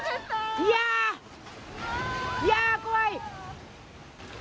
いやー、怖い。